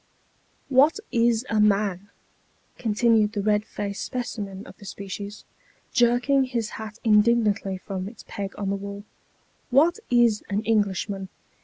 " What is a man ?" continued the red faced specimen of the species, jerking his hat indignantly from its peg on the wall. " What is an Englishman?